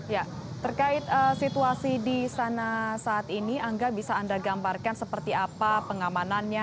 ya terkait situasi di sana saat ini angga bisa anda gambarkan seperti apa pengamanannya